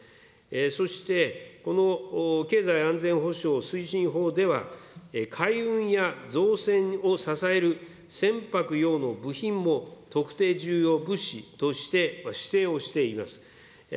そしてこの経済安全保障推進法では海運や造船を支える船舶用の部品も特定重要物資として指定をしています。